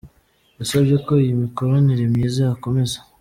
Yasabye ko iyi mikoranire myiza yakomeza.